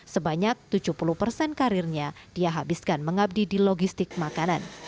sebanyak tujuh puluh persen karirnya dia habiskan mengabdi di logistik makanan